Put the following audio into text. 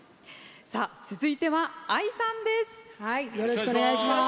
続いては、ＡＩさんです。